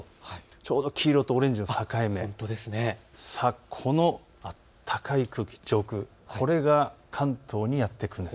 ちょうど黄色とオレンジの境目、この暖かい空気、これが関東にやって来る。